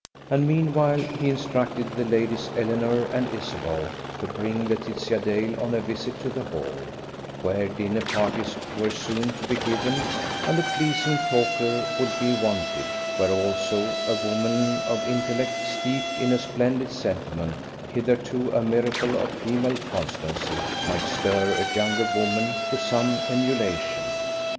And, meanwhile, he instructed the ladies Eleanor and Isabel to bring Laetitia Dale on a visit to the Hall, where dinner parties were soon to be given and a pleasing talker would be wanted, where also a woman of intellect, steeped in a splendid sentiment, hitherto a miracle of female constancy, might stir a younger woman to some emulation.